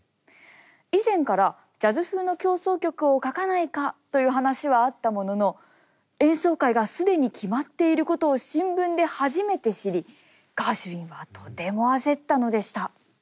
以前からジャズ風の協奏曲を書かないかという話はあったものの演奏会が既に決まっていることを新聞で初めて知りガーシュウィンはとても焦ったのでした。